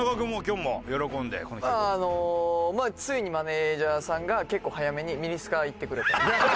まああのついにマネジャーさんが結構早めに「ミニスカ行ってくれ」と。